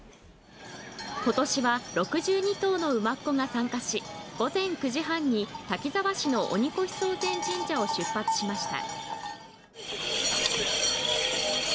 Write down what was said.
ことしは６２頭の馬コが参加し、午前９時半に滝沢市の鬼越蒼前神社を出発しました。